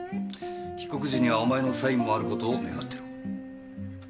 帰国時にはお前のサインもある事を願っている。